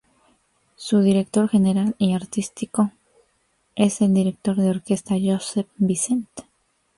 Su director general y artístico es el director de orquesta Josep Vicent.